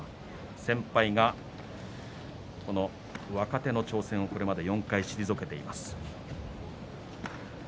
先輩が若手の挑戦をこれまで４回退けています。